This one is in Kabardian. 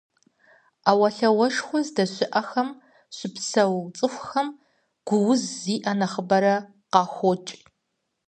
Ӏэуэлъауэшхуэ здэщыӀэхэм щыпсэу цӏыхухэм гу уз зиӀэ нэхъыбэрэ къахокӏ.